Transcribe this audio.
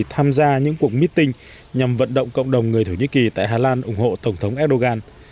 tham gia những cuộc meeting nhằm vận động cộng đồng người thổ nhĩ kỳ tại hà lan ủng hộ tổng thống erdogan